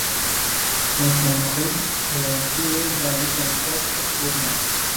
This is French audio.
Comme son mari, elle est impliquée dans des enquêtes pour meurtres...